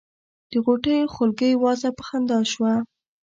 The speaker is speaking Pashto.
د غوټیو خولګۍ وازه په خندا شوه.